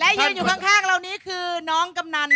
และยืนอยู่ข้างเรานี้คือน้องกำนัน